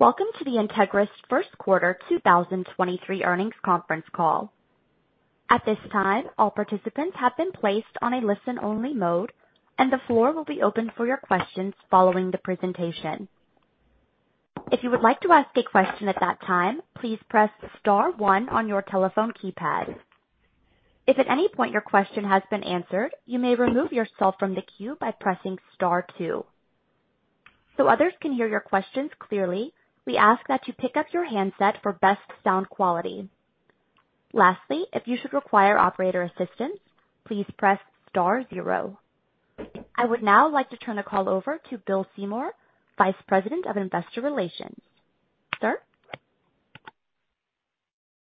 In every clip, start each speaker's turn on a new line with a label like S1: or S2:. S1: Welcome to the Entegris first quarter 2023 earnings conference call. At this time, all participants have been placed on a listen-only mode, and the floor will be open for your questions following the presentation. If you would like to ask a question at that time, please press star 1 on your telephone keypad. If at any point your question has been answered, you may remove yourself from the queue by pressing star 2. Others can hear your questions clearly, we ask that you pick up your handset for best sound quality. Lastly, if you should require operator assistance, please press star 0. I would now like to turn the call over to Bill Seymour, Vice President of Investor Relations. Sir?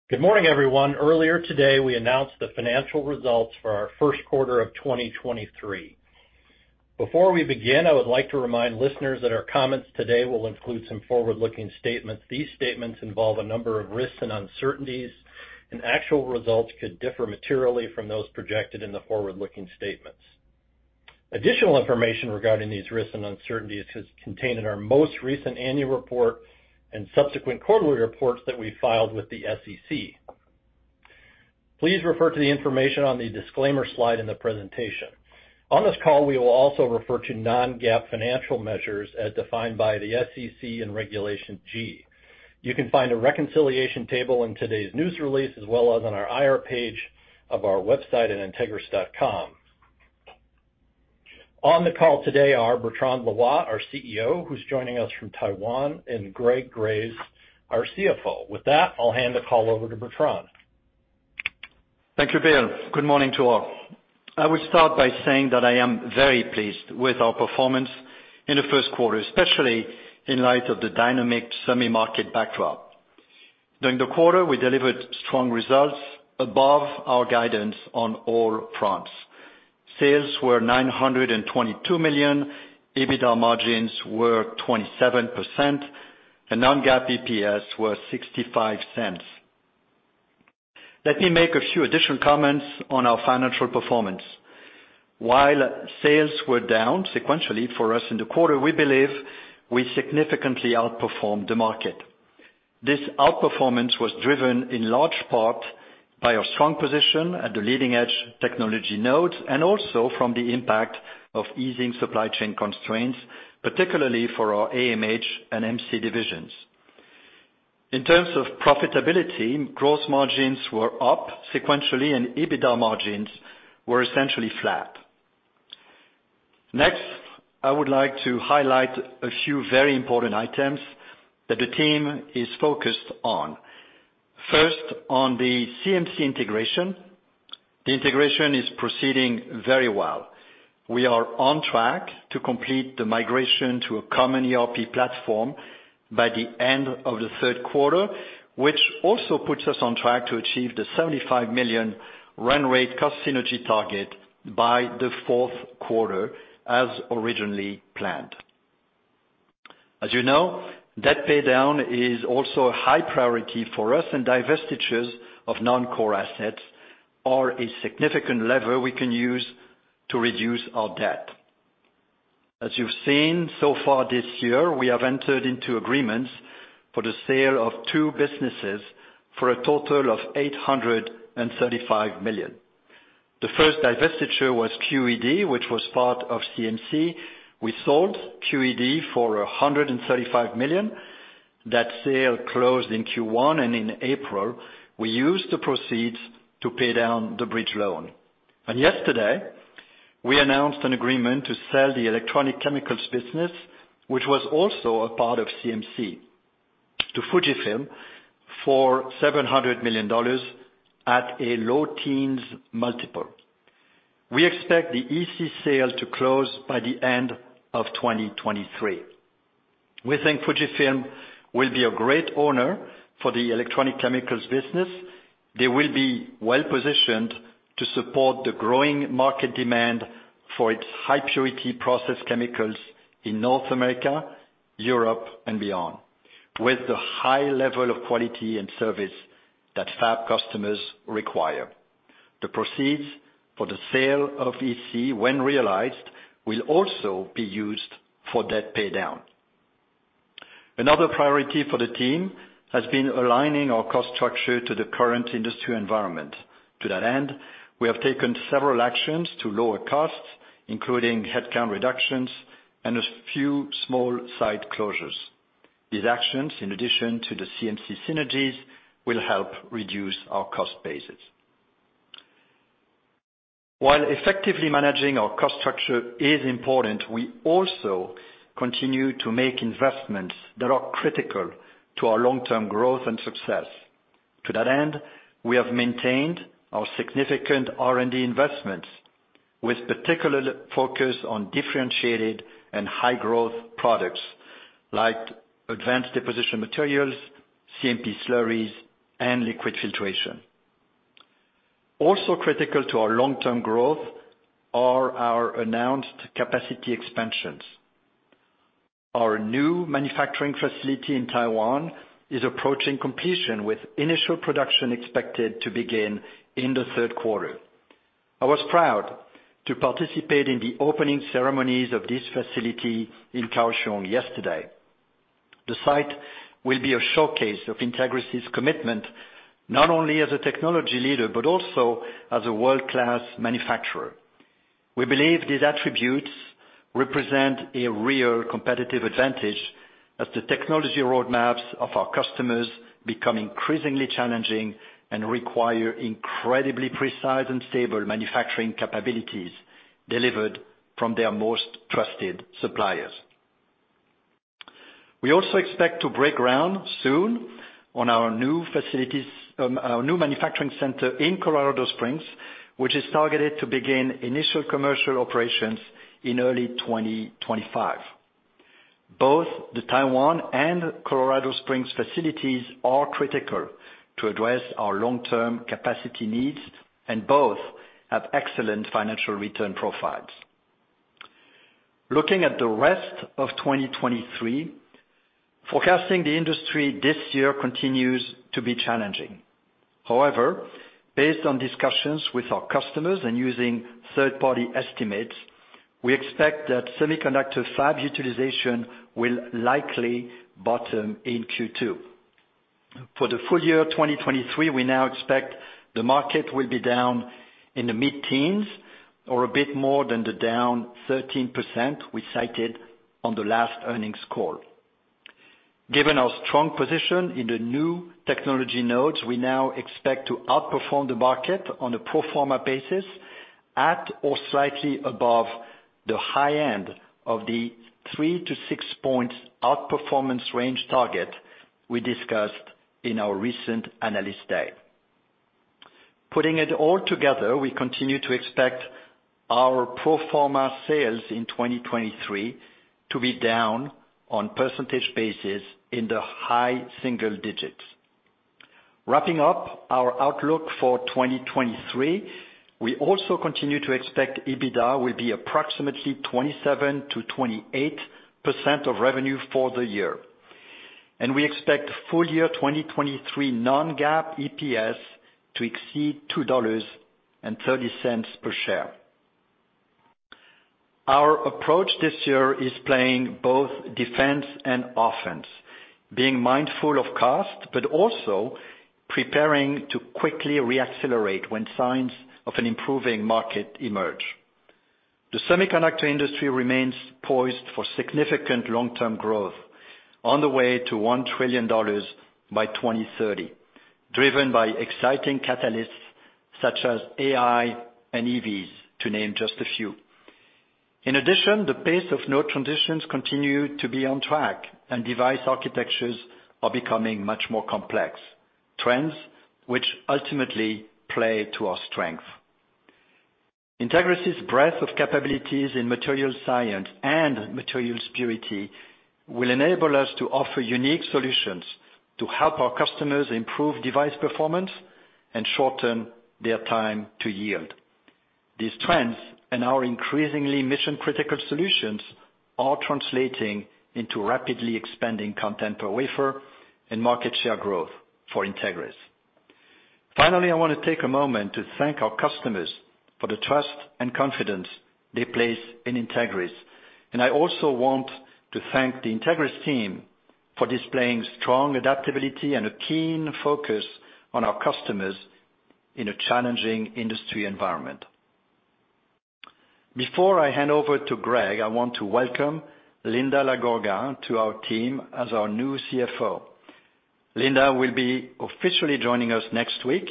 S2: Good morning, everyone. Earlier today, we announced the financial results for our first quarter of 2023. Before we begin, I would like to remind listeners that our comments today will include some forward-looking statements. These statements involve a number of risks and uncertainties. Actual results could differ materially from those projected in the forward-looking statements. Additional information regarding these risks and uncertainties is contained in our most recent annual report and subsequent quarterly reports that we filed with the SEC. Please refer to the information on the disclaimer slide in the presentation. On this call, we will also refer to non-GAAP financial measures as defined by the SEC and Regulation G. You can find a reconciliation table in today's news release, as well as on our IR page of our website at entegris.com. On the call today are Bertrand Loy, our CEO, who's joining us from Taiwan, and Greg Graves, our CFO. With that, I'll hand the call over to Bertrand.
S3: Thank you, Bill. Good morning to all. I would start by saying that I am very pleased with our performance in the first quarter, especially in light of the dynamic semi market backdrop. During the quarter, we delivered strong results above our guidance on all fronts. Sales were $922 million, EBITDA margins were 27%, and non-GAAP EPS was $0.65. Let me make a few additional comments on our financial performance. While sales were down sequentially for us in the quarter, we believe we significantly outperformed the market. This outperformance was driven in large part by our strong position at the leading edge technology nodes and also from the impact of easing supply chain constraints, particularly for our AMH and MC divisions. In terms of profitability, gross margins were up sequentially, and EBITDA margins were essentially flat. Next, I would like to highlight a few very important items that the team is focused on. First, on the CMC integration. The integration is proceeding very well. We are on track to complete the migration to a common ERP platform by the end of the third quarter, which also puts us on track to achieve the $75 million run rate cost synergy target by the fourth quarter as originally planned. As you know, debt paydown is also a high priority for us, and divestitures of non-core assets are a significant lever we can use to reduce our debt. As you've seen so far this year, we have entered into agreements for the sale of two businesses for a total of $835 million. The first divestiture was QED, which was part of CMC. We sold QED for $135 million. That sale closed in Q1. In April, we used the proceeds to pay down the bridge loan. Yesterday, we announced an agreement to sell the Electronic Chemicals business, which was also a part of CMC, to Fujifilm for $700 million at a low teens multiple. We expect the EC sale to close by the end of 2023. We think Fujifilm will be a great owner for the Electronic Chemicals business. They will be well-positioned to support the growing market demand for its high purity processed chemicals in North America, Europe, and beyond with the high level of quality and service that fab customers require. The proceeds for the sale of EC when realized will also be used for debt paydown. Another priority for the team has been aligning our cost structure to the current industry environment. To that end, we have taken several actions to lower costs, including headcount reductions and a few small site closures. These actions, in addition to the CMC synergies, will help reduce our cost basis. While effectively managing our cost structure is important, we also continue to make investments that are critical to our long-term growth and success. To that end, we have maintained our significant R&D investments with particular focus on differentiated and high growth products like advanced deposition materials, CMP slurries, and liquid filtration. Critical to our long-term growth are our announced capacity expansions. Our new manufacturing facility in Taiwan is approaching completion, with initial production expected to begin in the third quarter. I was proud to participate in the opening ceremonies of this facility in Kaohsiung yesterday. The site will be a showcase of Entegris' commitment, not only as a technology leader, but also as a world-class manufacturer. We believe these attributes represent a real competitive advantage as the technology roadmaps of our customers become increasingly challenging and require incredibly precise and stable manufacturing capabilities delivered from their most trusted suppliers. We also expect to break ground soon on our new manufacturing center in Colorado Springs, which is targeted to begin initial commercial operations in early 2025. Both the Taiwan and Colorado Springs facilities are critical to address our long-term capacity needs and both have excellent financial return profiles. Looking at the rest of 2023, forecasting the industry this year continues to be challenging. Based on discussions with our customers and using third-party estimates, we expect that semiconductor fabs utilization will likely bottom in Q2. For the full year of 2023, we now expect the market will be down in the mid-teens or a bit more than the down 13% we cited on the last earnings call. Given our strong position in the new technology nodes, we now expect to outperform the market on a pro forma basis at or slightly above the high end of the 3-6 points outperformance range target we discussed in our recent analyst day. Putting it all together, we continue to expect our pro forma sales in 2023 to be down on percentage basis in the high single digits. Wrapping up our outlook for 2023, we also continue to expect EBITDA will be approximately 27%-28% of revenue for the year, and we expect full year 2023 non-GAAP EPS to exceed $2.30 per share. Our approach this year is playing both defense and offense, being mindful of cost, but also preparing to quickly re-accelerate when signs of an improving market emerge. The semiconductor industry remains poised for significant long-term growth on the way to $1 trillion by 2030, driven by exciting catalysts such as AI and EVs, to name just a few. In addition, the pace of node transitions continue to be on track, and device architectures are becoming much more complex, trends which ultimately play to our strength. Entegris' breadth of capabilities in material science and material purity will enable us to offer unique solutions to help our customers improve device performance and shorten their time to yield. These trends and our increasingly mission-critical solutions are translating into rapidly expanding content per wafer and market share growth for Entegris. Finally, I want to take a moment to thank our customers for the trust and confidence they place in Entegris, and I also want to thank the Entegris team for displaying strong adaptability and a keen focus on our customers in a challenging industry environment. Before I hand over to Greg, I want to welcome Linda LaGorga to our team as our new CFO. Linda will be officially joining us next week,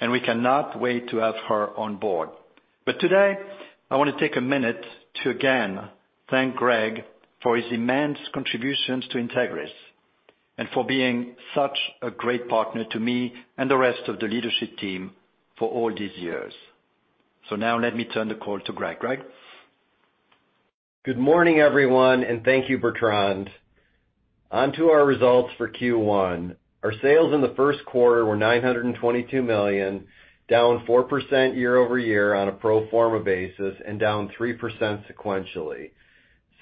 S3: and we cannot wait to have her on board. Today, I want to take a minute to again thank Greg for his immense contributions to Entegris and for being such a great partner to me and the rest of the leadership team for all these years. Now let me turn the call to Greg. Greg?
S4: Good morning, everyone. Thank you, Bertrand. On to our results for Q1. Our sales in the first quarter were $922 million, down 4% YoY on a pro forma basis and down 3% sequentially.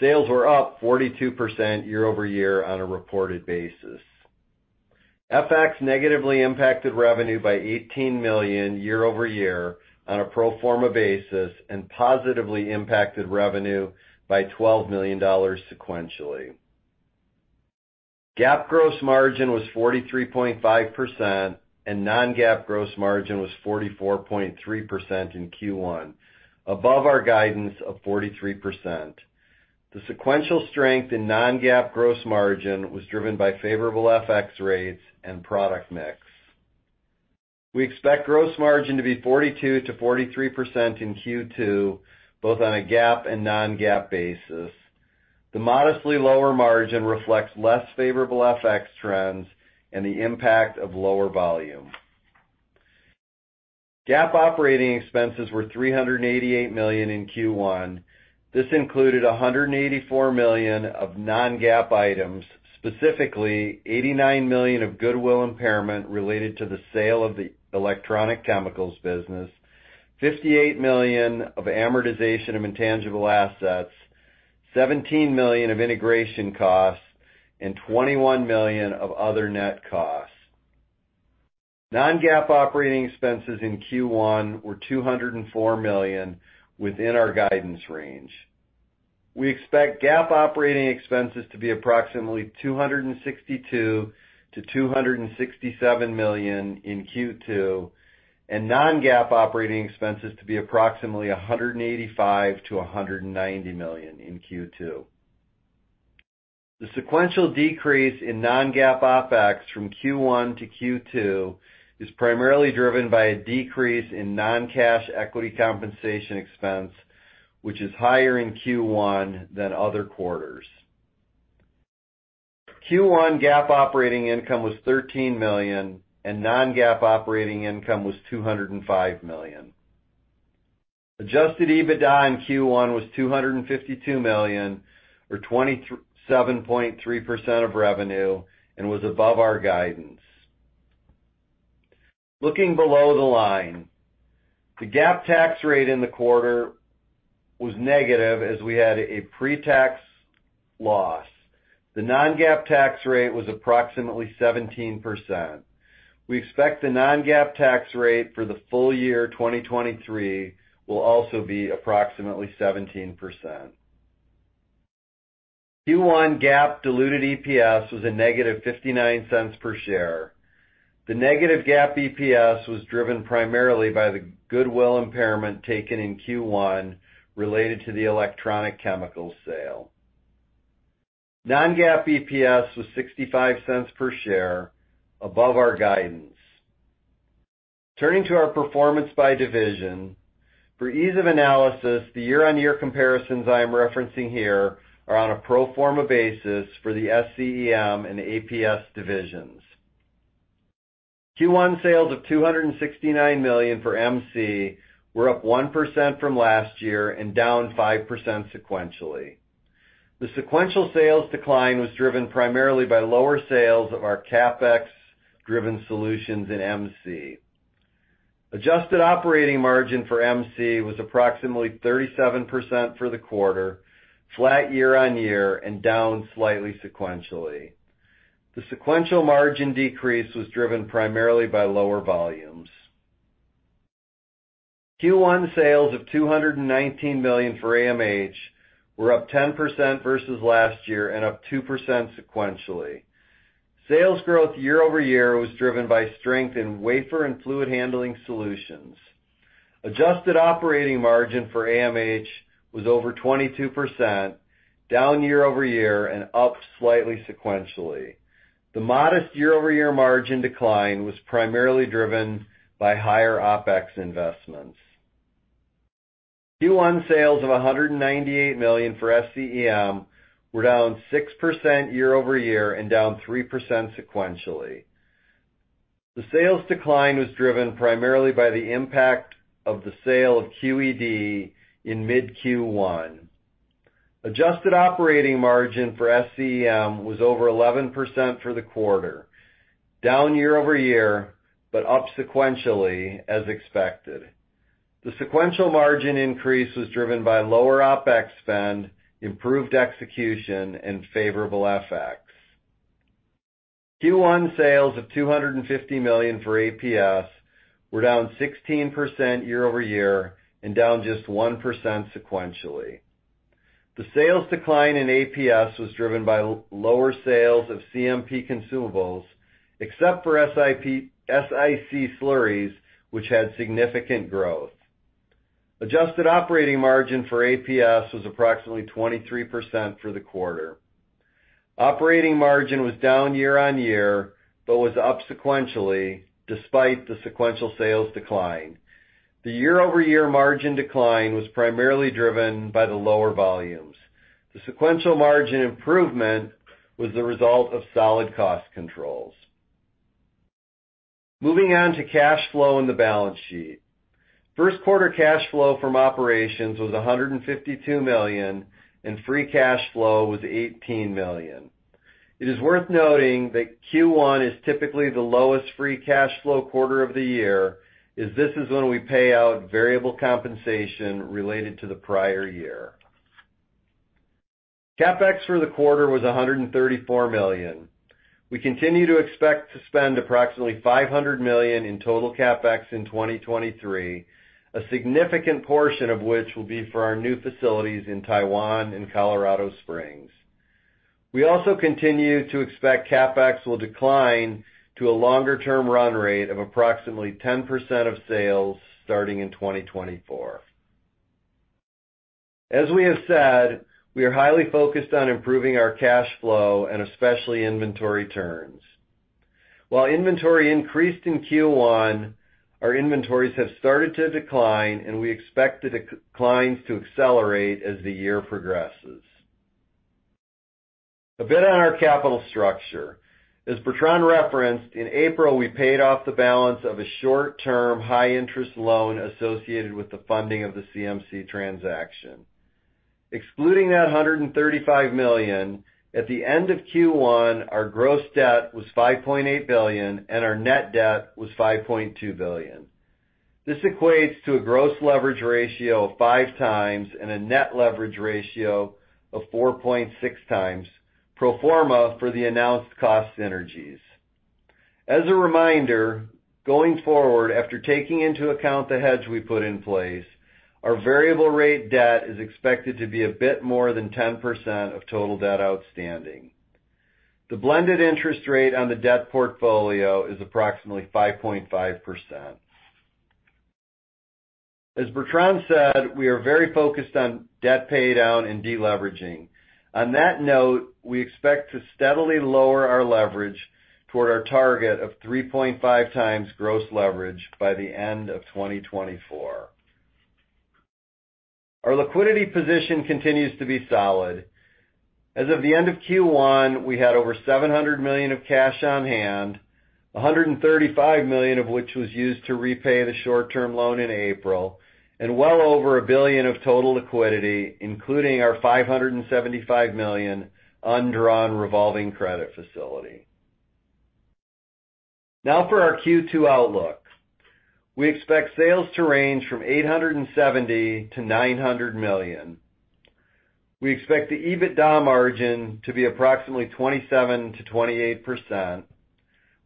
S4: Sales were up 42% YoY on a reported basis. FX negatively impacted revenue by $18 million YoY on a pro forma basis and positively impacted revenue by $12 million sequentially. GAAP gross margin was 43.5% and non-GAAP gross margin was 44.3% in Q1, above our guidance of 43%. The sequential strength in non-GAAP gross margin was driven by favorable FX rates and product mix. We expect gross margin to be 42%-43% in Q2, both on a GAAP and non-GAAP basis. The modestly lower margin reflects less favorable FX trends and the impact of lower volume. GAAP operating expenses were $388 million in Q1. This included $184 million of non-GAAP items, specifically $89 million of goodwill impairment related to the sale of the electronic chemicals business, $58 million of amortization of intangible assets, $17 million of integration costs and $21 million of other net costs. Non-GAAP operating expenses in Q1 were $204 million within our guidance range. We expect GAAP operating expenses to be approximately $262 million-$267 million in Q2, and non-GAAP operating expenses to be approximately $185 million-$190 million in Q2. The sequential decrease in non-GAAP OpEx from Q1 to Q2 is primarily driven by a decrease in non-cash equity compensation expense, which is higher in Q1 than other quarters. Q1 GAAP operating income was $13 million, and non-GAAP operating income was $205 million. Adjusted EBITDA in Q1 was $252 million, or 27.3% of revenue, and was above our guidance. Looking below the line, the GAAP tax rate in the quarter was negative as we had a pre-tax loss. The non-GAAP tax rate was approximately 17%. We expect the non-GAAP tax rate for the full year 2023 will also be approximately 17%. Q1 GAAP diluted EPS was a negative $0.59 per share. The negative GAAP EPS was driven primarily by the goodwill impairment taken in Q1 related to the electronic chemicals sale. Non-GAAP EPS was $0.65 per share above our guidance. Turning to our performance by division. For ease of analysis, the year-on-year comparisons I am referencing here are on a pro forma basis for the SCEM and APS divisions. Q1 sales of $269 million for MC were up 1% from last year and down 5% sequentially. The sequential sales decline was driven primarily by lower sales of our CapEx driven solutions in MC. Adjusted operating margin for MC was approximately 37% for the quarter, flat year-on-year and down slightly sequentially. The sequential margin decrease was driven primarily by lower volumes. Q1 sales of $219 million for AMH were up 10% versus last year and up 2% sequentially. Sales growth YoY was driven by strength in wafer and fluid handling solutions. Adjusted operating margin for AMH was over 22%, down YoY and up slightly sequentially. The modest YoY margin decline was primarily driven by higher OpEx investments. Q1 sales of $198 million for SCEM were down 6% YoY and down 3% sequentially. The sales decline was driven primarily by the impact of the sale of QED in mid Q1. Adjusted operating margin for SCEM was over 11% for the quarter, down YoY, but up sequentially as expected. The sequential margin increase was driven by lower OpEx spend, improved execution, and favorable FX. Q1 sales of $250 million for APS were down 16% YoY and down just 1% sequentially. The sales decline in APS was driven by lower sales of CMP consumables, except for SiC slurries, which had significant growth. Adjusted operating margin for APS was approximately 23% for the quarter. Operating margin was down year-on-year, but was up sequentially despite the sequential sales decline. The YoY margin decline was primarily driven by the lower volumes. The sequential margin improvement was the result of solid cost controls. Moving on to cash flow and the balance sheet. First quarter cash flow from operations was $152 million, and free cash flow was $18 million. It is worth noting that Q1 is typically the lowest free cash flow quarter of the year, as this is when we pay out variable compensation related to the prior year. CapEx for the quarter was $134 million. We continue to expect to spend approximately $500 million in total CapEx in 2023, a significant portion of which will be for our new facilities in Taiwan and Colorado Springs. We also continue to expect CapEx will decline to a longer-term run rate of approximately 10% of sales starting in 2024. As we have said, we are highly focused on improving our cash flow and especially inventory turns. While inventory increased in Q1, our inventories have started to decline, and we expect the declines to accelerate as the year progresses. A bit on our capital structure. As Bertrand referenced, in April, we paid off the balance of a short-term, high-interest loan associated with the funding of the CMC transaction. Excluding that $135 million, at the end of Q1, our gross debt was $5.8 billion, and our net debt was $5.2 billion. This equates to a gross leverage ratio of five times and a net leverage ratio of 4.6 times pro forma for the announced cost synergies. As a reminder, going forward, after taking into account the hedge we put in place, our variable rate debt is expected to be a bit more than 10% of total debt outstanding. The blended interest rate on the debt portfolio is approximately 5.5%. As Bertrand Loy said, we are very focused on debt paydown and deleveraging. On that note, we expect to steadily lower our leverage toward our target of 3.5x gross leverage by the end of 2024. Our liquidity position continues to be solid. As of the end of Q1, we had over $700 million of cash on hand, $135 million of which was used to repay the short-term loan in April, and well over $1 billion of total liquidity, including our $575 million undrawn revolving credit facility. Now for our Q2 outlook. We expect sales to range from $870 million-$900 million. We expect the EBITDA margin to be approximately 27%-28%.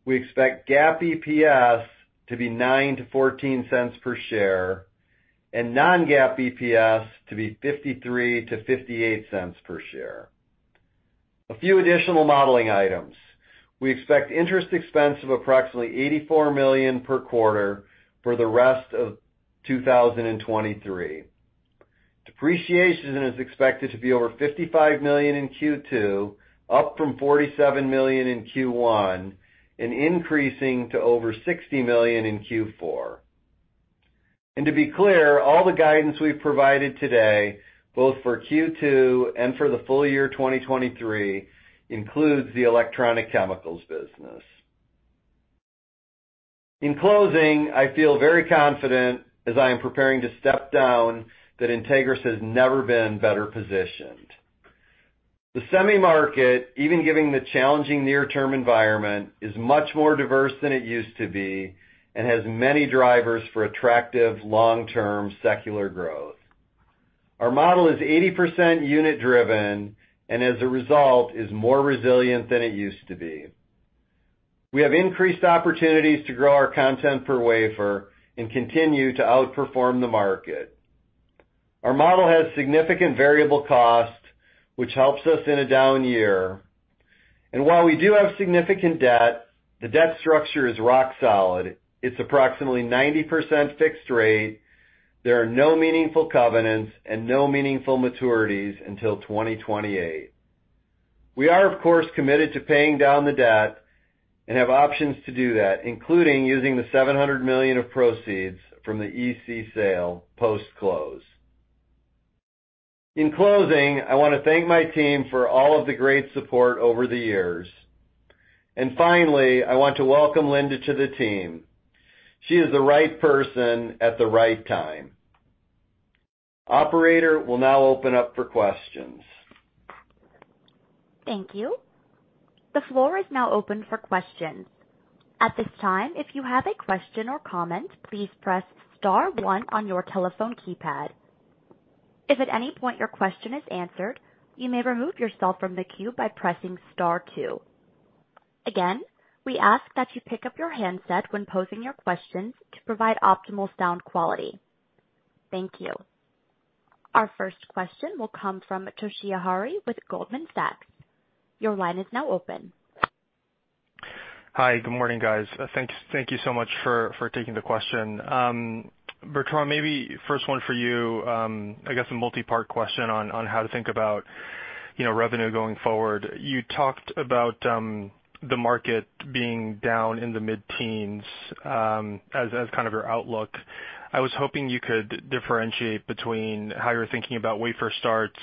S4: We expect GAAP EPS to be $0.09-$0.14 per share and non-GAAP EPS to be $0.53-$0.58 per share. A few additional modeling items. We expect interest expense of approximately $84 million per quarter for the rest of 2023. Depreciation is expected to be over $55 million in Q2, up from $47 million in Q1, and increasing to over $60 million in Q4. To be clear, all the guidance we've provided today, both for Q2 and for the full year 2023, includes the electronic chemicals business. In closing, I feel very confident, as I am preparing to step down, that Entegris has never been better positioned. The semi market, even giving the challenging near-term environment, is much more diverse than it used to be and has many drivers for attractive long-term secular growth. Our model is 80% unit-driven and as a result, is more resilient than it used to be. We have increased opportunities to grow our content per wafer and continue to outperform the market. Our model has significant variable cost, which helps us in a down year. While we do have significant debt, the debt structure is rock solid. It's approximately 90% fixed rate. There are no meaningful covenants and no meaningful maturities until 2028. We are, of course, committed to paying down the debt and have options to do that, including using the $700 million of proceeds from the EC sale post-close. In closing, I wanna thank my team for all of the great support over the years. Finally, I want to welcome Linda to the team. She is the right person at the right time. Operator, we'll now open up for questions.
S1: Thank you. The floor is now open for questions. At this time, if you have a question or comment, please press star one on your telephone keypad. If at any point your question is answered, you may remove yourself from the queue by pressing star two. Again, we ask that you pick up your handset when posing your questions to provide optimal sound quality. Thank you. Our first question will come from Toshiya Hari with Goldman Sachs. Your line is now open.
S5: Hi. Good morning, guys. Thank you so much for taking the question. Bertrand, maybe first one for you. I guess a multi-part question on how to think about, you know, revenue going forward. You talked about the market being down in the mid-teens as kind of your outlook. I was hoping you could differentiate between how you're thinking about wafer starts,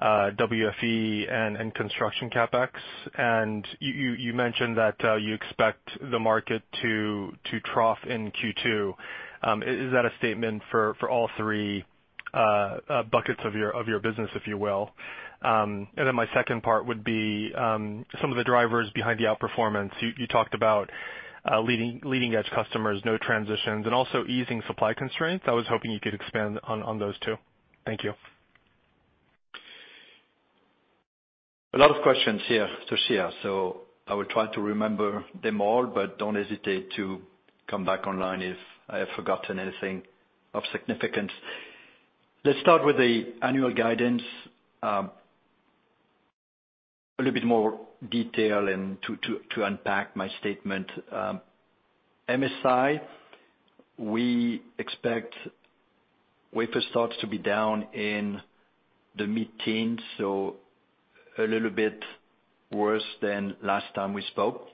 S5: WFE and construction CapEx. You mentioned that you expect the market to trough in Q2. Is that a statement for all three buckets of your business, if you will? My second part would be some of the drivers behind the outperformance. You talked about leading-edge customers, no transitions, and also easing supply constraints. I was hoping you could expand on those two. Thank you.
S3: A lot of questions here, Toshiya Hari. I will try to remember them all, but don't hesitate to come back online if I have forgotten anything of significance. Let's start with the annual guidance. A little bit more detail and to unpack my statement. MSI, we expect wafer starts to be down in the mid-teens. A little bit worse than last time we spoke.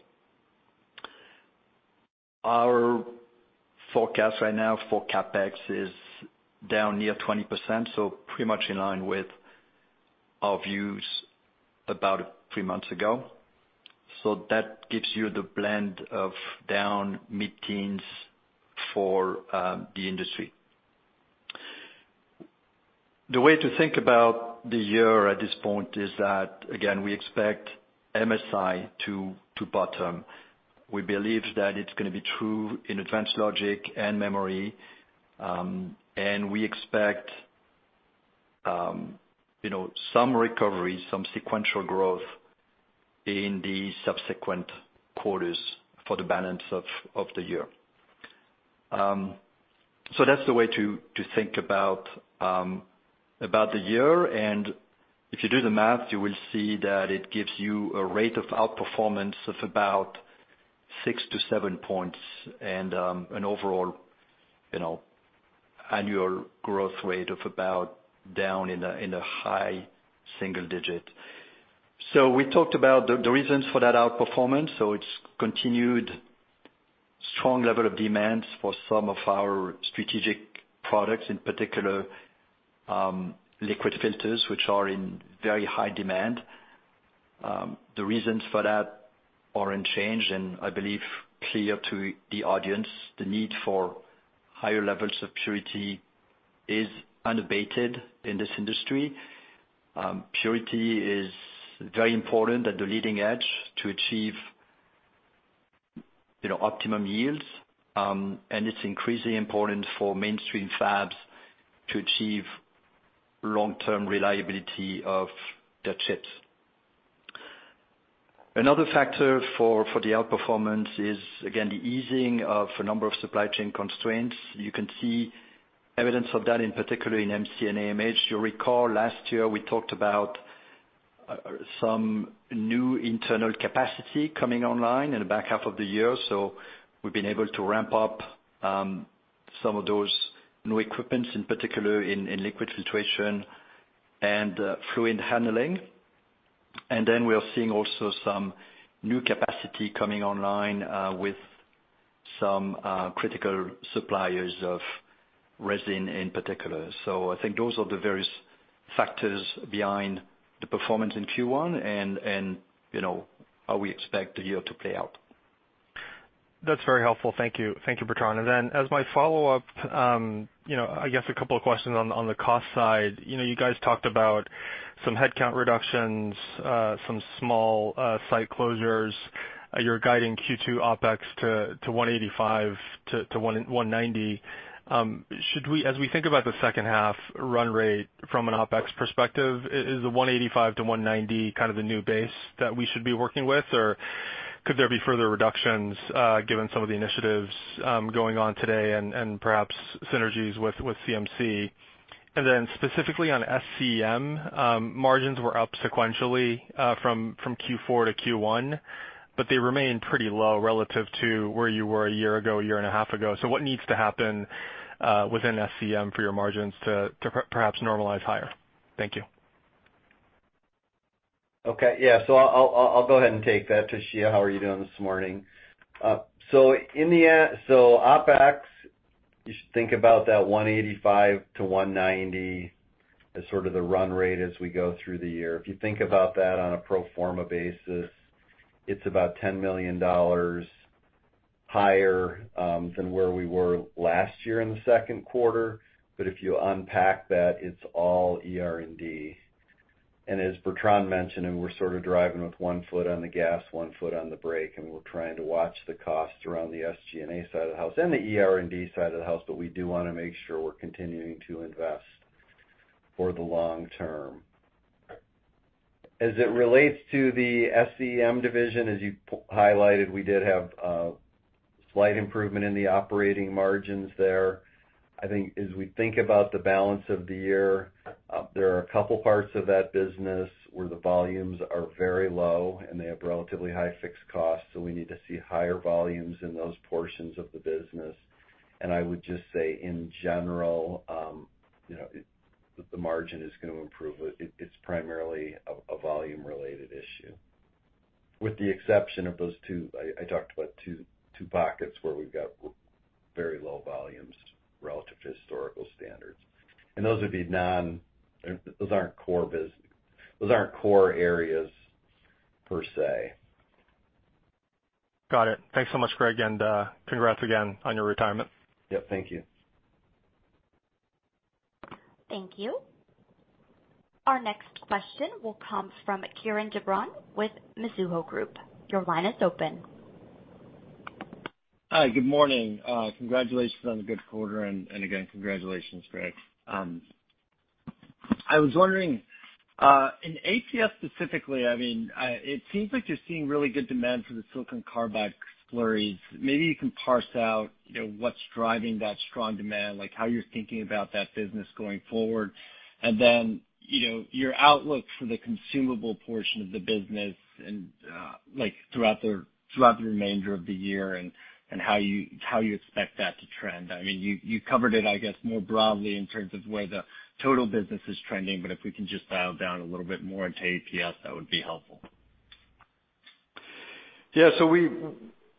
S3: Our forecast right now for CapEx is down near 20%. Pretty much in line with our views about three months ago. That gives you the blend of down mid-teens for the industry. The way to think about the year at this point is that, again, we expect MSI to bottom. We believe that it's gonna be true in advanced logic and memory, we expect, you know, some recovery, some sequential growth in the subsequent quarters for the balance of the year. That's the way to think about the year. If you do the math, you will see that it gives you a rate of outperformance of about 6-7 points and, you know, an overall annual growth rate of about down in a high single digit. We talked about the reasons for that outperformance. It's continued strong level of demands for some of our strategic products, in particular, liquid filters, which are in very high demand. The reasons for that are unchanged, and I believe clear to the audience. The need for higher levels of purity is unabated in this industry. Purity is very important at the leading edge to achieve, you know, optimum yields, and it's increasingly important for mainstream fabs to achieve long-term reliability of their chips. Another factor for the outperformance is, again, the easing of a number of supply chain constraints. You can see evidence of that in particular in MC and AMH. You'll recall last year we talked about some new internal capacity coming online in the back half of the year, so we've been able to ramp up some of those new equipments, in particular in liquid filtration and fluid handling. We are seeing also some new capacity coming online with some critical suppliers of resin in particular. I think those are the various factors behind the performance in Q1 and, you know, how we expect the year to play out.
S5: That's very helpful. Thank you. Thank you, Bertrand. As my follow-up, you know, I guess a couple of questions on the cost side. You know, you guys talked about some headcount reductions, some small site closures. You're guiding Q2 OpEx to $185-$190. As we think about the second half run rate from an OpEx perspective, is the $185-$190 kind of the new base that we should be working with? Could there be further reductions given some of the initiatives going on today and perhaps synergies with CMC? Specifically on SCEM, margins were up sequentially from Q4 to Q1. They remain pretty low relative to where you were a year ago, a year and a half ago. What needs to happen, within SCEM for your margins to perhaps normalize higher? Thank you.
S4: Okay. Yeah. I'll go ahead and take that. Toshiya, how are you doing this morning? OpEx, you should think about that $185-$190 as sort of the run rate as we go through the year. If you think about that on a pro forma basis, it's about $10 million higher than where we were last year in the second quarter. If you unpack that, it's all ER&D. As Bertrand mentioned, and we're sort of driving with one foot on the gas, one foot on the brake, and we're trying to watch the costs around the SG&A side of the house and the ER&D side of the house, but we do wanna make sure we're continuing to invest for the long term. As it relates to the SCEM division, as you highlighted, we did have slight improvement in the operating margins there. I think as we think about the balance of the year, there are a couple parts of that business where the volumes are very low, and they have relatively high fixed costs, so we need to see higher volumes in those portions of the business. I would just say in general, you know, the margin is gonna improve. It's primarily a volume related issue. With the exception of those two. I talked about two pockets where we've got very low volumes relative to historical standards. Those aren't core business those aren't core areas per sq.
S5: Got it. Thanks so much, Greg, and congrats again on your retirement.
S4: Yeah, thank you.
S1: Thank you. Our next question will come from Kieran de Brun with Mizuho Group. Your line is open.
S6: Hi, good morning. Congratulations on the good quarter, and again, congratulations, Greg. I was wondering, in ATS specifically, I mean, it seems like you're seeing really good demand for the silicon carbide slurries. Maybe you can parse out, you know, what's driving that strong demand, like how you're thinking about that business going forward. Then, you know, your outlook for the consumable portion of the business and, like throughout the remainder of the year and how you expect that to trend. I mean, you covered it, I guess, more broadly in terms of where the total business is trending, but if we can just dial down a little bit more into APS, that would be helpful.
S3: Yeah.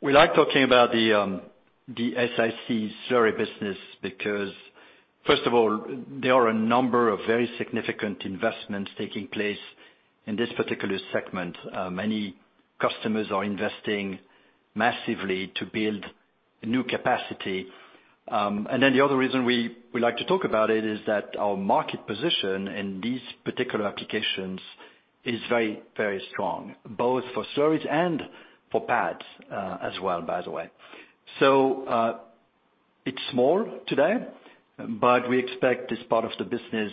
S3: We like talking about the SiC slurry business because first of all, there are a number of very significant investments taking place In this particular segment, many customers are investing massively to build new capacity. The other reason we like to talk about it is that our market position in these particular applications is very, very strong, both for storage and for pads, as well, by the way. It's small today, but we expect this part of the business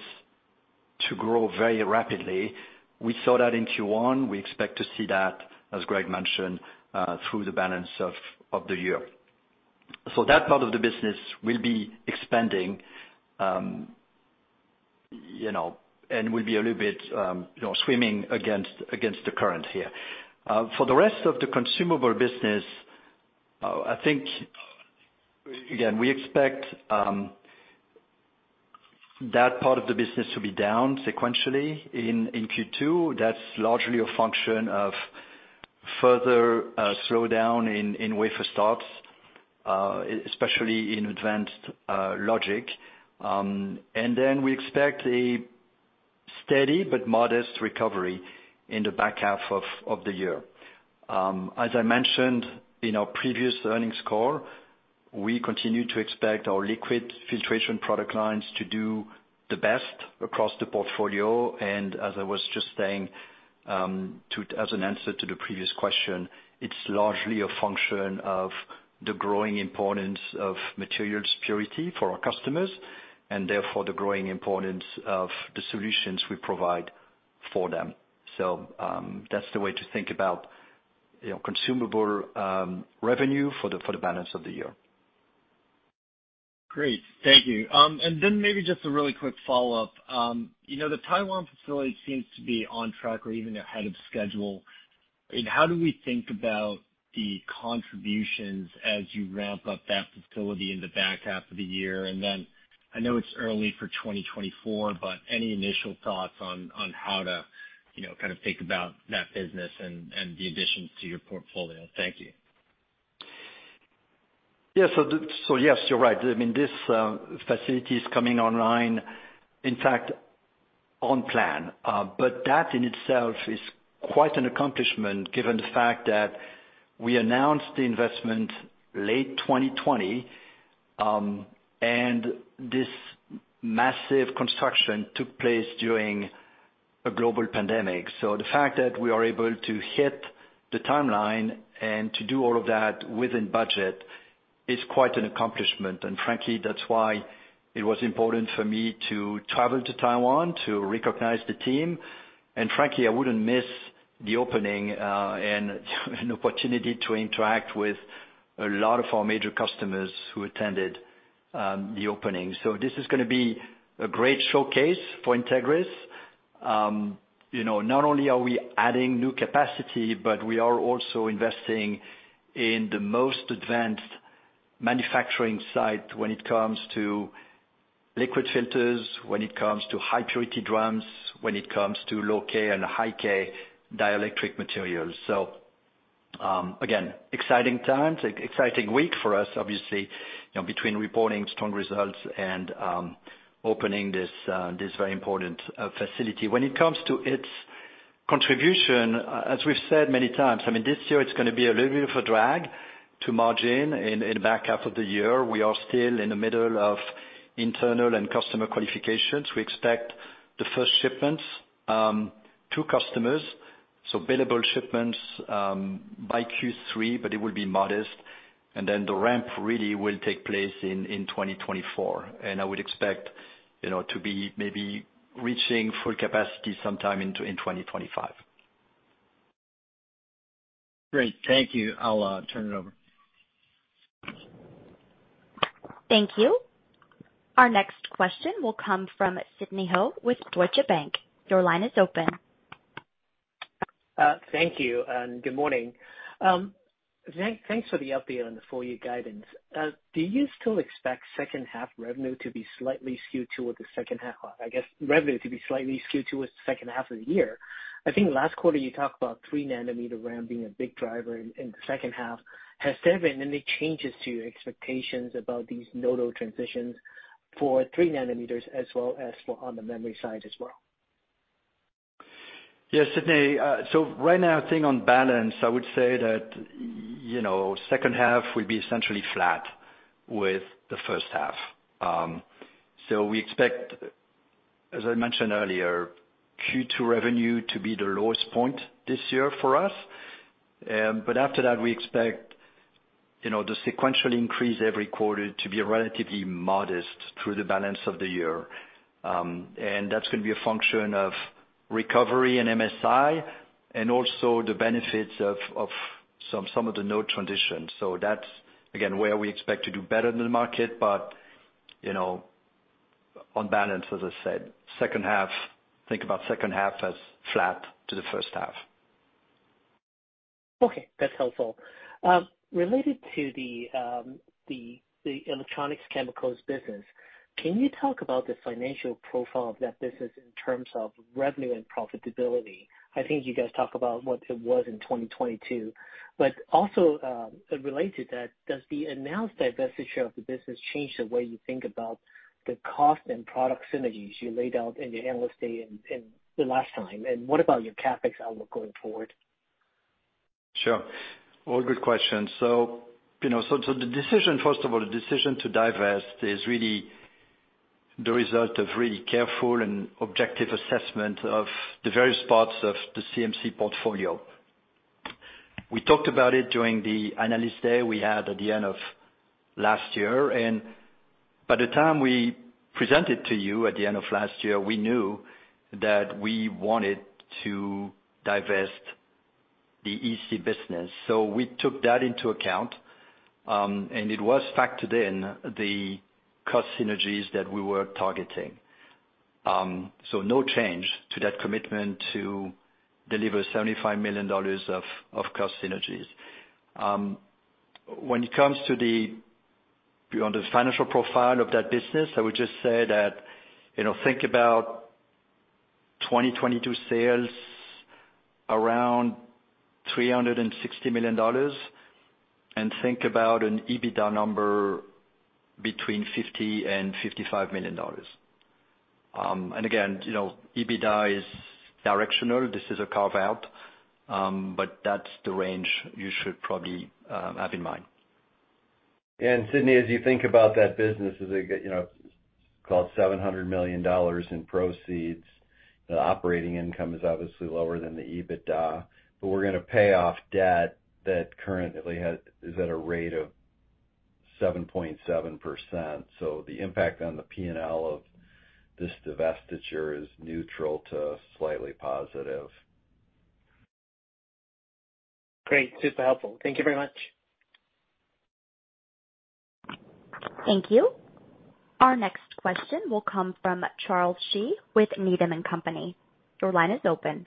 S3: to grow very rapidly. We saw that in Q1. We expect to see that, as Greg mentioned, through the balance of the year. That part of the business will be expanding, you know, and will be a little bit, you know, swimming against the current here. For the rest of the consumable business, I think, again, we expect that part of the business to be down sequentially in Q2. That's largely a function of further slowdown in wafer starts, especially in advanced logic. Then we expect a steady but modest recovery in the back half of the year. As I mentioned in our previous earnings call, we continue to expect our liquid filtration product lines to do the best across the portfolio. As I was just saying, as an answer to the previous question, it's largely a function of the growing importance of materials purity for our customers, and therefore the growing importance of the solutions we provide for them. That's the way to think about, you know, consumable revenue for the balance of the year.
S6: Great. Thank you. Then maybe just a really quick follow-up. You know, the Taiwan facility seems to be on track or even ahead of schedule. How do we think about the contributions as you ramp up that facility in the back half of the year? Then I know it's early for 2024, but any initial thoughts on how to, you know, kind of think about that business and the additions to your portfolio? Thank you.
S3: Yes, you're right. I mean, this facility is coming online, in fact, on plan. But that in itself is quite an accomplishment given the fact that we announced the investment late 2020, and this massive construction took place during a global pandemic. The fact that we are able to hit the timeline and to do all of that within budget is quite an accomplishment. Frankly, that's why it was important for me to travel to Taiwan to recognize the team. Frankly, I wouldn't miss the opening and an opportunity to interact with a lot of our major customers who attended the opening. This is gonna be a great showcase for Entegris. You know, not only are we adding new capacity, but we are also investing in the most advanced manufacturing site when it comes to liquid filters, when it comes to high purity drums, when it comes to low-κ and high-κ dielectric materials. Again, exciting times, exciting week for us, obviously, you know, between reporting strong results and opening this very important facility. When it comes to its contribution, as we've said many times, I mean, this year it's gonna be a little bit of a drag to margin in the back half of the year. We are still in the middle of internal and customer qualifications. We expect the first shipments to customers, so billable shipments, by Q3, but it will be modest. The ramp really will take place in 2024, and I would expect, you know, to be maybe reaching full capacity sometime in 2025.
S6: Great. Thank you. I'll turn it over.
S1: Thank you. Our next question will come from Sidney Ho with Deutsche Bank. Your line is open.
S7: Thank you, and good morning. Thanks for the update on the full year guidance. Do you still expect second half revenue to be slightly skewed toward the second half? I guess, revenue to be slightly skewed towards the second half of the year. I think last quarter you talked about 3 nm RAM being a big driver in the second half. Has there been any changes to your expectations about these nodal transitions for 3 nm as well as for on the memory side as well?
S3: Sidney. So right now, I think on balance, I would say that, you know, second half will be essentially flat with the first half. We expect, as I mentioned earlier, Q2 revenue to be the lowest point this year for us. After that, we expect, you know, the sequential increase every quarter to be relatively modest through the balance of the year. That's gonna be a function of recovery in MSI and also the benefits of some of the node transitions. That's, again, where we expect to do better than the market, you know, on balance, as I said, second half, think about second half as flat to the first half.
S7: Okay. That's helpful. Related to the Electronic Chemicals business, can you talk about the financial profile of that business in terms of revenue and profitability? I think you guys talked about what it was in 2022. Also, related to that, does the announced divestiture of the business change the way you think about the cost and product synergies you laid out in your analyst day in the last time? What about your CapEx outlook going forward?
S3: Sure. All good questions. You know, so the decision, first of all, to divest is really the result of really careful and objective assessment of the various parts of the CMC portfolio. We talked about it during the analyst day we had at the end of last year. By the time we presented to you at the end of last year, we knew that we wanted to divest the EC business. We took that into account, and it was factored in the cost synergies that we were targeting. No change to that commitment to deliver $75 million of cost synergies. When it comes to the financial profile of that business, I would just say that, you know, think about 2022 sales around $360 million, and think about an EBITDA number between $50 million - $55 million. Again, you know, EBITDA is directional. This is a carve-out, but that's the range you should probably have in mind.
S4: Sidney, as you think about that business, as you get, you know, call it $700 million in proceeds, the operating income is obviously lower than the EBITDA. We're gonna pay off debt that currently is at a rate of 7.7%. The impact on the P&L of this divestiture is neutral to slightly positive.
S7: Great. Super helpful. Thank you very much.
S1: Thank you. Our next question will come from Charles Shi with Needham & Company. Your line is open.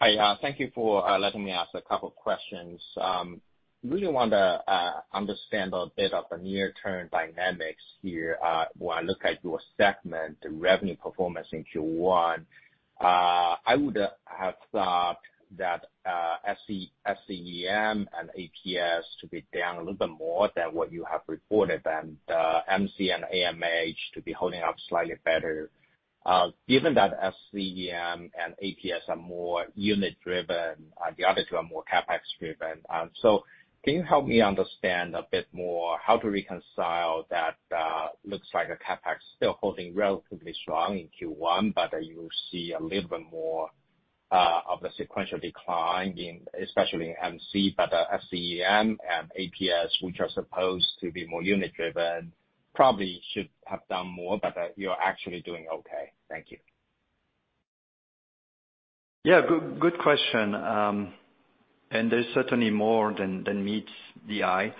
S8: Hi. Thank you for letting me ask a couple questions. Really want to understand a bit of the near term dynamics here. When I look at your segment, the revenue performance in Q1, I would have thought that SCEM and APS to be down a little bit more than what you have reported, and MC and AMH to be holding up slightly better, given that SCEM and APS are more unit driven, the other two are more CapEx driven. Can you help me understand a bit more how to reconcile that, looks like a CapEx still holding relatively strong in Q1, but you see a little bit more of a sequential decline in, especially MC, but SCEM and APS, which are supposed to be more unit driven, probably should have done more, but you're actually doing okay. Thank you?
S3: Yeah, good question. There's certainly more than meets the eye,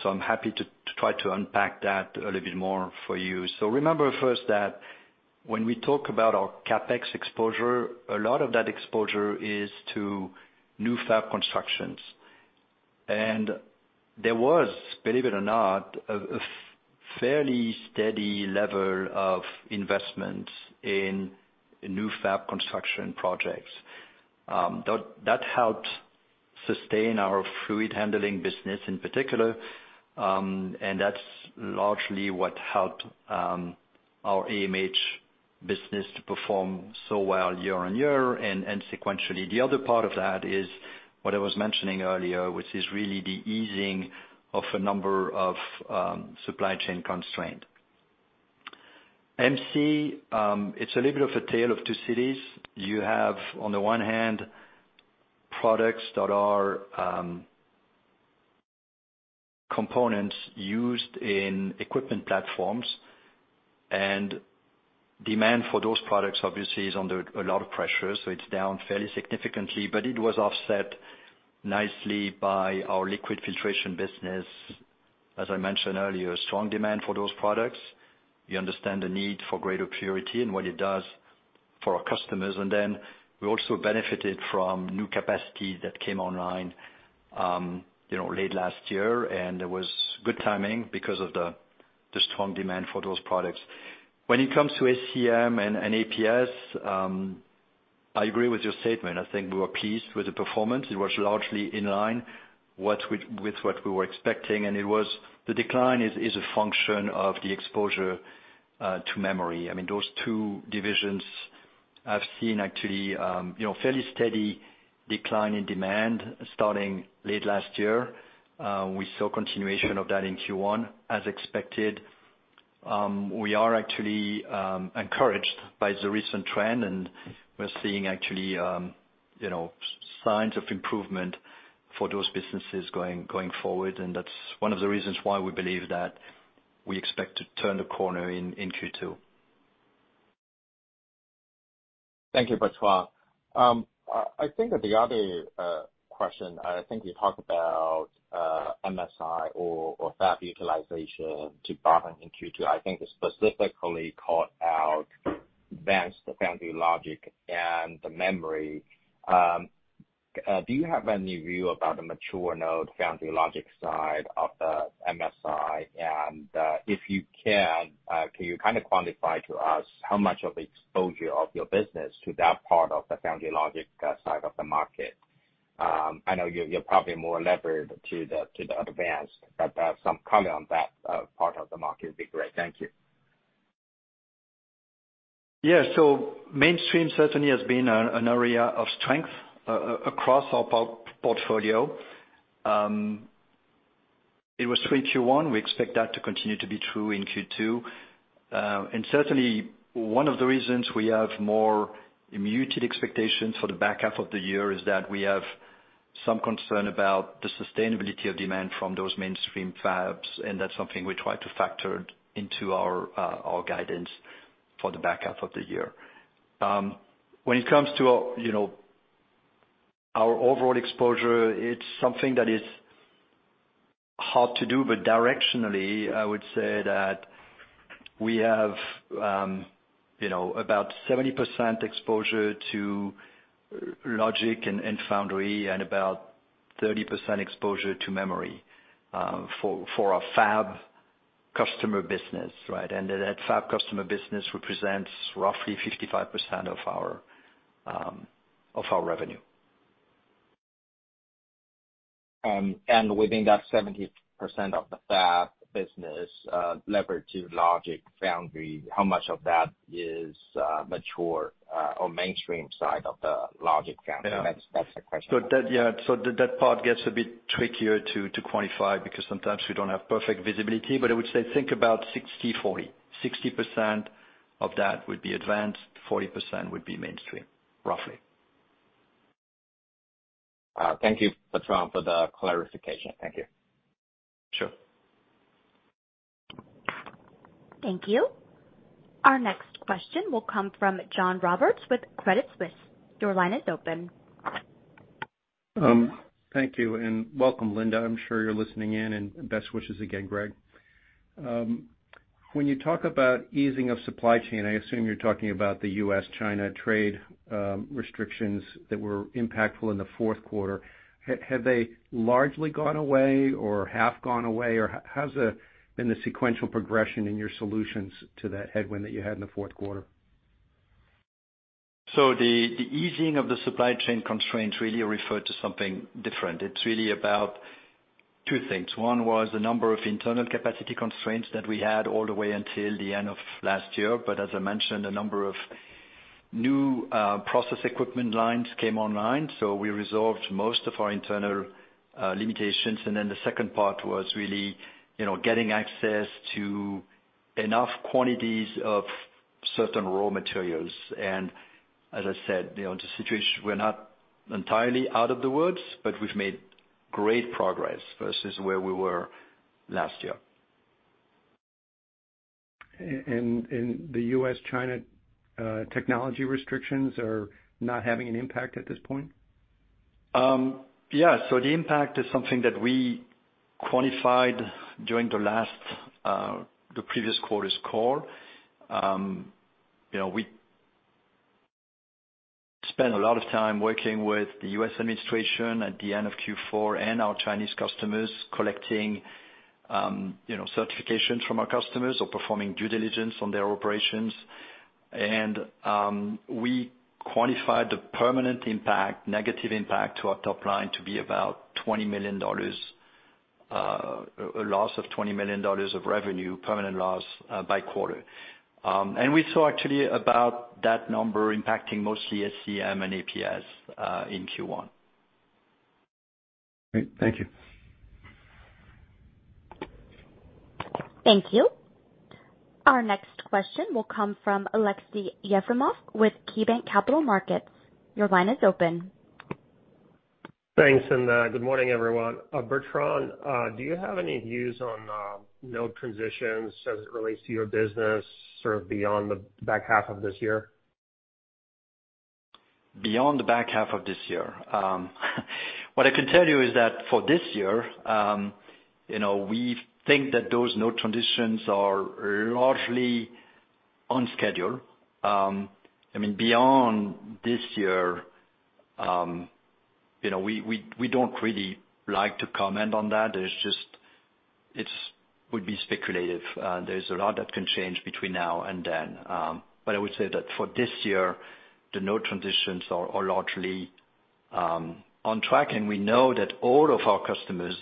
S3: so I'm happy to try to unpack that a little bit more for you. Remember first that when we talk about our CapEx exposure, a lot of that exposure is to new fab constructions. There was, believe it or not, a fairly steady level of investment in new fab construction projects. That helped sustain our fluid handling business in particular, that's largely what helped our AMH business to perform so well year-on-year and sequentially. The other part of that is what I was mentioning earlier, which is really the easing of a number of supply chain constraint. MC, it's a little bit of a tale of two cities. You have, on the one hand, products that are components used in equipment platforms. Demand for those products obviously is under a lot of pressure, so it's down fairly significantly. It was offset nicely by our liquid filtration business. As I mentioned earlier, strong demand for those products. We understand the need for greater purity and what it does for our customers. We also benefited from new capacity that came online, you know, late last year. It was good timing because of the strong demand for those products. When it comes to SCEM and APS, I agree with your statement. I think we were pleased with the performance. It was largely in line with what we were expecting, and the decline is a function of the exposure to memory. I mean, those two divisions have seen actually, you know, fairly steady decline in demand starting late last year. We saw continuation of that in Q1 as expected. We are actually, encouraged by the recent trend, we're seeing actually, you know, signs of improvement for those businesses going forward. That's one of the reasons why we believe that we expect to turn the corner in Q2.
S8: Thank you, Bertrand. I think that the other question, I think you talked about MSI or fab utilization to bottom in Q2. I think it specifically called out advanced foundry logic and the memory. Do you have any view about the mature node foundry logic side of the MSI? If you can you kind of quantify to us how much of the exposure of your business to that part of the foundry logic side of the market? I know you're probably more levered to the advanced, but some comment on that part of the market would be great. Thank you.
S3: Mainstream certainly has been an area of strength across our portfolio. It was through Q1. We expect that to continue to be true in Q2. Certainly one of the reasons we have more muted expectations for the back half of the year is that we have some concern about the sustainability of demand from those mainstream fabs, and that's something we try to factor into our guidance for the back half of the year. When it comes to, you know, our overall exposure, it's something that is hard to do, but directionally I would say that we have, you know, about 70% exposure to logic and foundry and about 30% exposure to memory for our fab customer business, right? That fab customer business represents roughly 55% of our of our revenue.
S8: Within that 70% of the fab business, lever to logic foundry, how much of that is mature or mainstream side of the logic category? That's the question.
S3: That, yeah. That part gets a bit trickier to quantify because sometimes we don't have perfect visibility, but I would say think about 60/40. 60% of that would be advanced, 40% would be mainstream, roughly.
S8: thank you, Bertrand, for the clarification. Thank you.
S3: Sure.
S1: Thank you. Our next question will come from John Roberts with Credit Suisse. Your line is open.
S9: Thank you and welcome, Linda. I'm sure you're listening in, and best wishes again, Greg. When you talk about easing of supply chain, I assume you're talking about the U.S., China trade restrictions that were impactful in the fourth quarter. Have they largely gone away or half gone away? Or how's the sequential progression in your solutions to that headwind that you had in the fourth quarter?
S3: The easing of the supply chain constraints really refer to something different. It's really about two things. One was the number of internal capacity constraints that we had all the way until the end of last year, but as I mentioned, a number of new process equipment lines came online, so we resolved most of our internal limitations. The second part was really, you know, getting access to enough quantities of certain raw materials. As I said, you know, the situation, we're not entirely out of the woods, but we've made great progress versus where we were last year.
S9: The U.S., China, technology restrictions are not having an impact at this point?
S3: Yeah. The impact is something that we quantified during the last, the previous quarter's call. You know, we spent a lot of time working with the U.S. administration at the end of Q4 and our Chinese customers collecting, you know, certifications from our customers or performing due diligence on their operations. We quantified the permanent impact, negative impact to our top line to be about $20 million, a loss of $20 million of revenue, permanent loss by quarter. We saw actually about that number impacting mostly SCEM and APS in Q1.
S9: Great. Thank you.
S1: Thank you. Our next question will come from Aleksey Yefremov with KeyBanc Capital Markets. Your line is open.
S10: Thanks, and good morning, everyone. Bertrand, do you have any views on node transitions as it relates to your business, sort of beyond the back half of this year?
S3: Beyond the back half of this year. What I can tell you is that for this year, you know, we think that those node transitions are largely on schedule. I mean, beyond this year, you know, we, we don't really like to comment on that. There's just. It would be speculative. There's a lot that can change between now and then. I would say that for this year, the node transitions are largely on track, and we know that all of our customers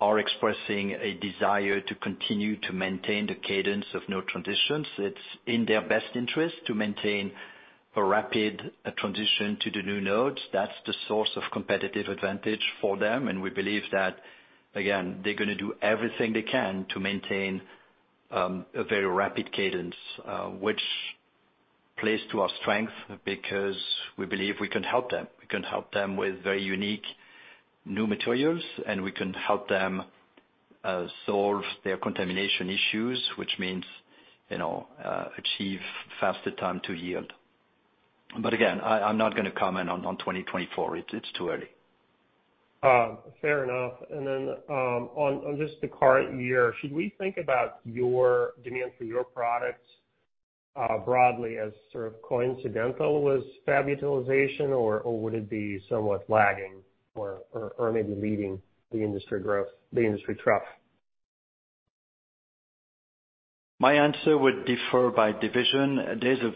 S3: are expressing a desire to continue to maintain the cadence of node transitions. It's in their best interest to maintain a rapid transition to the new nodes. That's the source of competitive advantage for them, and we believe that, again, they're gonna do everything they can to maintain a very rapid cadence, which plays to our strength because we believe we can help them. We can help them with very unique new materials, and we can help them solve their contamination issues, which means, you know, achieve faster time to yield. Again, I'm not gonna comment on 2024. It's too early.
S10: Fair enough. On just the current year, should we think about your demand for your products, broadly as sort of coincidental with fab utilization or would it be somewhat lagging or maybe leading the industry growth, the industry trough?
S3: My answer would differ by division. There's a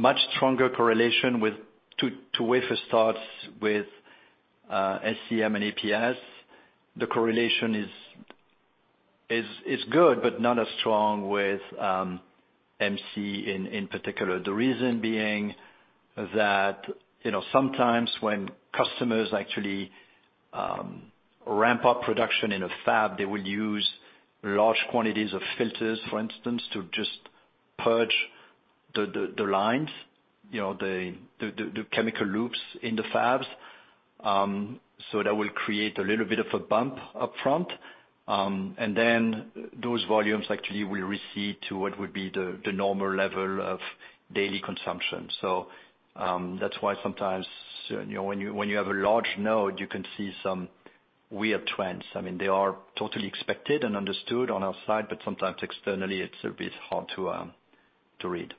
S3: much stronger correlation with to wafer starts with SCEM and APS. The correlation is good, but not as strong with MC in particular. The reason being that, you know, sometimes when customers actually ramp up production in a fab, they will use large quantities of filters, for instance, to just purge the lines, you know, the chemical loops in the fabs. That will create a little bit of a bump up front. Then those volumes actually will recede to what would be the normal level of daily consumption. That's why sometimes, you know, when you have a large node, you can see some weird trends. I mean, they are totally expected and understood on our side, but sometimes externally it's a bit hard to read.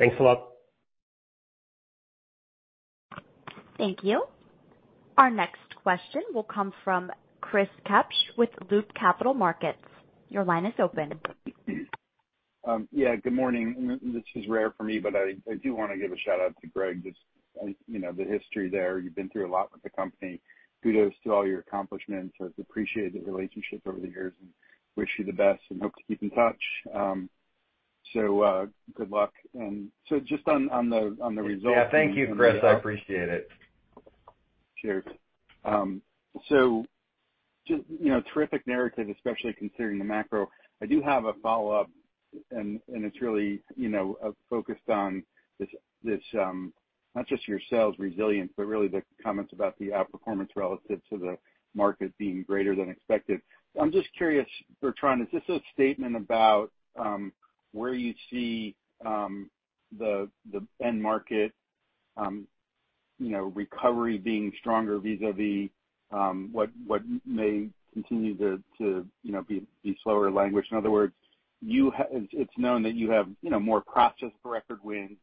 S10: Thanks a lot.
S1: Thank you. Our next question will come from Chris Kapsch with Loop Capital Markets. Your line is open.
S11: Yeah, good morning. This is rare for me, but I do wanna give a shout-out to Greg. Just, you know, the history there. You've been through a lot with the company. Kudos to all your accomplishments. I've appreciated the relationship over the years, and wish you the best and hope to keep in touch. Good luck. Just on the results-
S4: Yeah. Thank you, Chris. I appreciate it.
S11: Cheers. Just, you know, terrific narrative, especially considering the macro. I do have a follow-up, and it's really, you know, focused on this not just your sales resilience, but really the comments about the outperformance relative to the market being greater than expected. I'm just curious, Bertrand, is this a statement about where you see the end market, you know, recovery being stronger vis-à-vis what may continue to be slower language? In other words, It's known that you have, you know, more process per record wins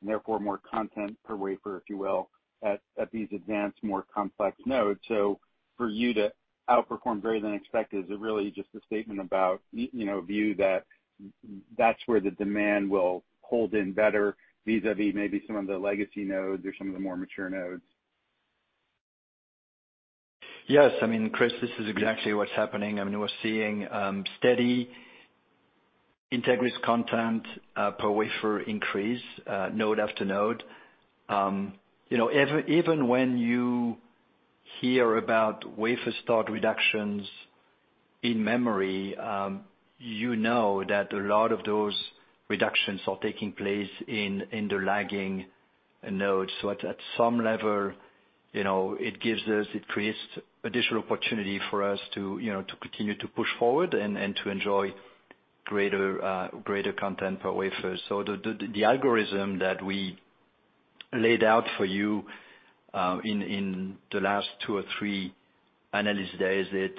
S11: and therefore more content per wafer, if you will, at these advanced more complex nodes. For you to outperform greater than expected, is it really just a statement about, you know, a view that that's where the demand will hold in better vis-à-vis maybe some of the legacy nodes or some of the more mature nodes?
S3: Yes. I mean, Chris, this is exactly what's happening. I mean, we're seeing steady Entegris content per wafer increase node after node. You know, even when you hear about wafer start reductions in memory, you know that a lot of those reductions are taking place in the lagging nodes. At, at some level, you know, it gives us increased additional opportunity for us to, you know, to continue to push forward and to enjoy greater content per wafer. The algorithm that we laid out for you in the last two or three analyst days, it's,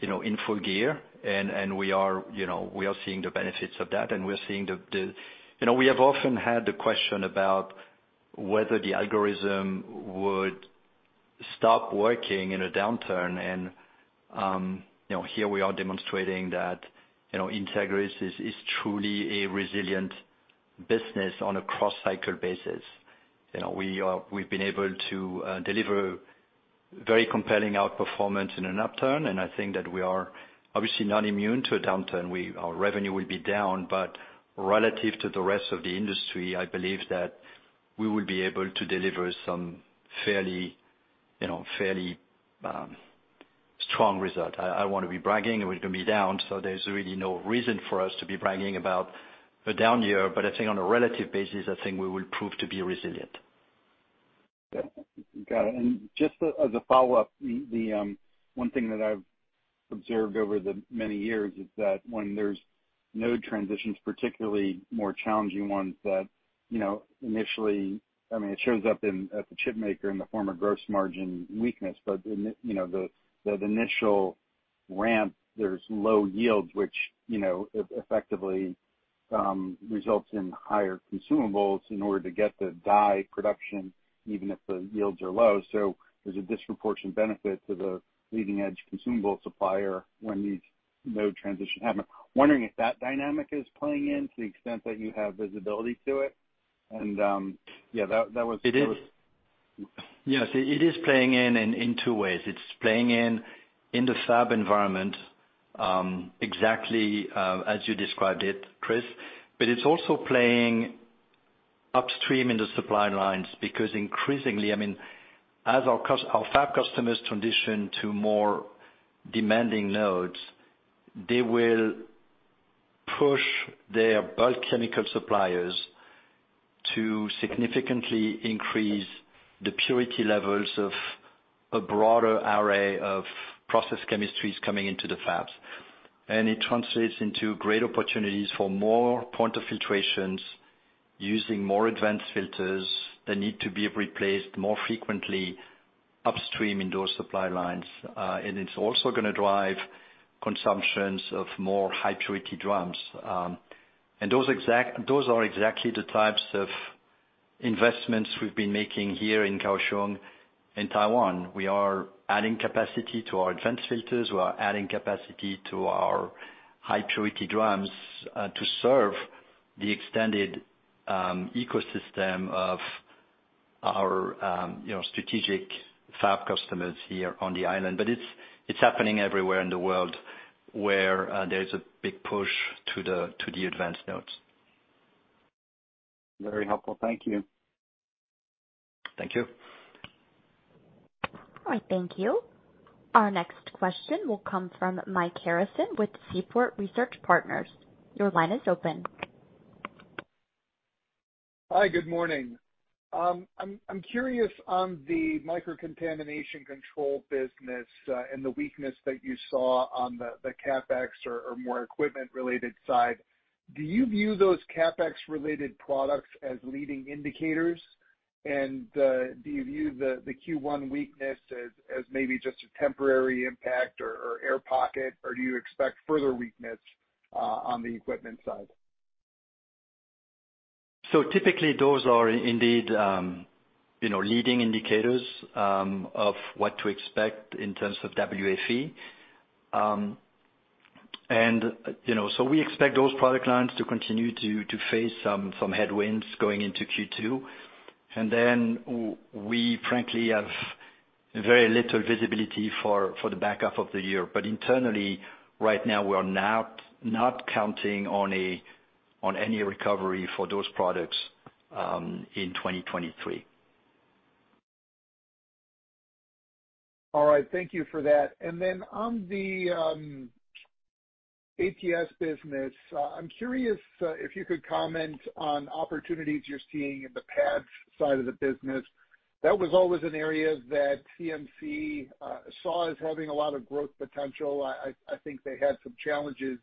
S3: you know, in full gear and we are, you know, we are seeing the benefits of that and we're seeing the... You know, we have often had the question about whether the algorithm would stop working in a downturn. You know, here we are demonstrating that, you know, Entegris is truly a resilient business on a cross-cycle basis. You know, we've been able to deliver very compelling outperformance in an upturn. I think that we are obviously not immune to a downturn. Our revenue will be down, relative to the rest of the industry, I believe that we will be able to deliver some fairly, you know, fairly strong result. I don't wanna be bragging, it will be down. There's really no reason for us to be bragging about a down year. I think on a relative basis, I think we will prove to be resilient.
S11: Got it. Just a, as a follow-up, the, one thing that I've observed over the many years is that when there's node transitions, particularly more challenging ones that, you know, initially, I mean, it shows up in, at the chip maker in the form of gross margin weakness. The, you know, the initial ramp, there's low yields which, you know, effectively results in higher consumables in order to get the die production, even if the yields are low. There's a disproportion benefit to the leading edge consumable supplier when these node transition happen. Wondering if that dynamic is playing in to the extent that you have visibility to it? Yeah, that was.
S3: It is.
S11: That was-
S3: Yes, it is playing in two ways. It's playing in the fab environment, exactly, as you described it, Chris. It's also playing upstream in the supply lines because increasingly, I mean, as our fab customers transition to more demanding nodes, they will push their bulk chemical suppliers to significantly increase the purity levels of a broader array of process chemistries coming into the fabs. It translates into great opportunities for more point of filtrations using more advanced filters that need to be replaced more frequently upstream in those supply lines. It's also gonna drive consumptions of more high purity drums. Those are exactly the types of investments we've been making here in Kaohsiung. In Taiwan, we are adding capacity to our advanced filters. We are adding capacity to our high-purity drums, to serve the extended ecosystem of our, you know, strategic fab customers here on the island. It's happening everywhere in the world where there is a big push to the advanced nodes.
S11: Very helpful. Thank you.
S3: Thank you.
S1: All right. Thank you. Our next question will come from Michael Harrison with Seaport Research Partners. Your line is open.
S12: Hi. Good morning. I'm curious on the Microcontamination Control business, and the weakness that you saw on the CapEx or more equipment related side. Do you view those CapEx related products as leading indicators? Do you view the Q1 weakness as maybe just a temporary impact or air pocket, or do you expect further weakness on the equipment side?
S3: Typically those are indeed, you know, leading indicators of what to expect in terms of WFE. You know, so we expect those product lines to continue to face some headwinds going into Q2. Then we frankly have very little visibility for the back half of the year. Internally, right now, we are not counting on any recovery for those products, in 2023.
S12: All right. Thank you for that. On the ATS business, I'm curious if you could comment on opportunities you're seeing in the pads side of the business. That was always an area that CMC saw as having a lot of growth potential. I think they had some challenges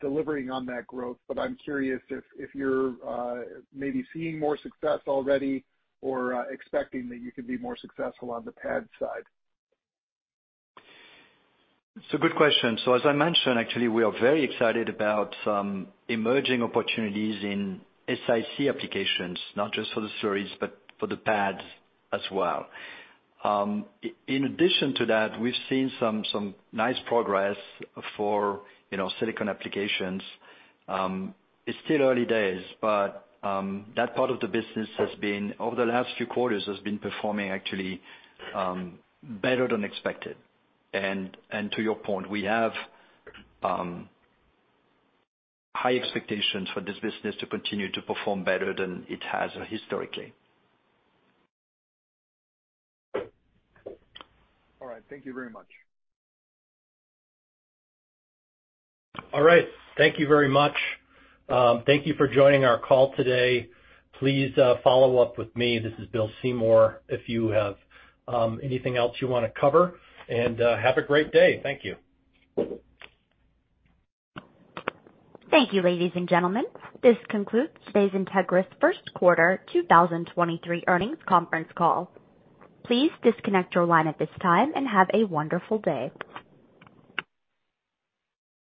S12: delivering on that growth. I'm curious if you're maybe seeing more success already or expecting that you can be more successful on the pad side.
S3: It's a good question. As I mentioned, actually, we are very excited about some emerging opportunities in SiC applications, not just for the slurries but for the pads as well. In addition to that, we've seen some nice progress for, you know, silicon applications. It's still early days, but that part of the business has been, over the last few quarters, has been performing actually better than expected. To your point, we have high expectations for this business to continue to perform better than it has historically.
S12: All right. Thank you very much.
S2: All right. Thank you very much. Thank you for joining our call today. Please follow up with me, this is Bill Seymour, if you have anything else you wanna cover. Have a great day. Thank you.
S1: Thank you, ladies and gentlemen. This concludes today's Entegris first quarter 2023 earnings conference call. Please disconnect your line at this time and have a wonderful day.